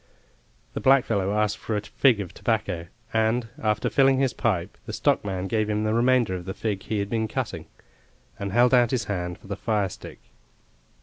The blackfellow asked for a fig of tobacco, and, after filling his pipe, the stockman gave him the remainder of the fig he had been cutting, and held out his hand for the firestick.